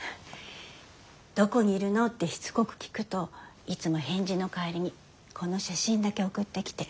「どこにいるの？」ってしつこく聞くといつも返事の代わりにこの写真だけ送ってきて。